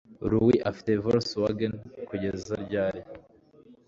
Luis afite Volkswagen kugeza ryari?